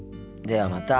ではまた。